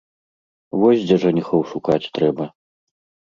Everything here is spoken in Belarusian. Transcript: Вось дзе жаніхоў шукаць трэба.